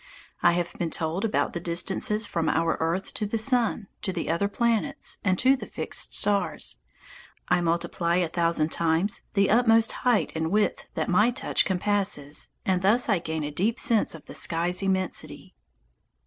I have been told about the distances from our earth to the sun, to the other planets, and to the fixed stars. I multiply a thousand times the utmost height and width that my touch compasses, and thus I gain a deep sense of the sky's immensity.